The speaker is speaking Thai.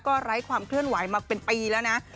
ก็ไร้ความเคลื่อนไหวมาเป็นปีแล้วนะ